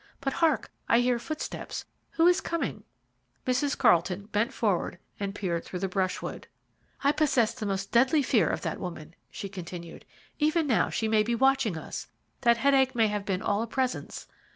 But, hark! I hear footsteps. Who is coming?" Mrs. Carlton bent forward and peered through the brushwood. "I possess the most deadly fear of that woman," she continued; "even now she may be watching us that headache may have been all a presence.